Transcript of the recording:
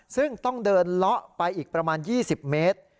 ซึ่งต้องเดินเลาะไปอีกประมาณ๒๐เมตร